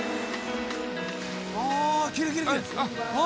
あきれいきれいきれい。